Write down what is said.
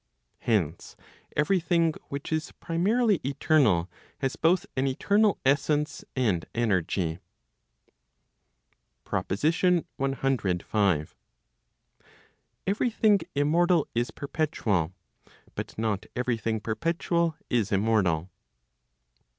Hence every thing which is primarily eternal, has both an eternal essence and energy. PROPOSITION CV. Every thing immortal is perpetual; but not every thing perpetual is immortal.